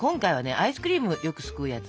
アイスクリームをよくすくうやつ。